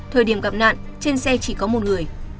thời điểm gặp nạn trên xe chỉ có một người